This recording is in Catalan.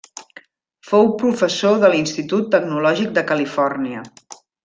Fou professor de l'Institut Tecnològic de Califòrnia.